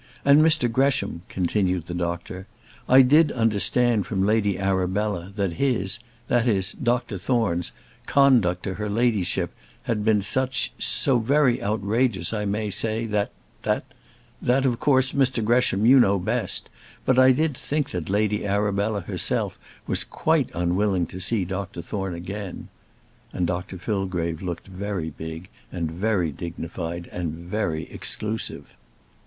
And, Mr Gresham," continued the doctor, "I did understand from Lady Arabella that his that is, Dr Thorne's conduct to her ladyship had been such so very outrageous, I may say, that that that of course, Mr Gresham, you know best; but I did think that Lady Arabella herself was quite unwilling to see Doctor Thorne again;" and Dr Fillgrave looked very big, and very dignified, and very exclusive.